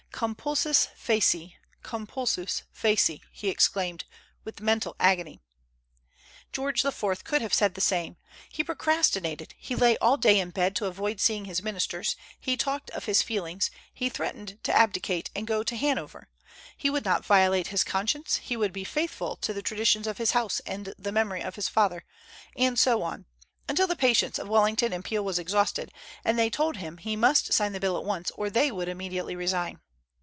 Compulsus feci! compulsus feci! he exclaimed, with mental agony. George IV. could have said the same. He procrastinated; he lay all day in bed to avoid seeing his ministers; he talked of his feelings; he threatened to abdicate, and go to Hanover; he would not violate his conscience; he would be faithful to the traditions of his house and the memory of his father, and so on, until the patience of Wellington and Peel was exhausted, and they told him he must sign the bill at once, or they would immediately resign.